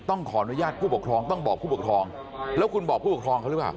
ต้องขออนุญาตผู้ปกครองต้องบอกผู้ปกครองแล้วคุณบอกผู้ปกครองเขาหรือเปล่า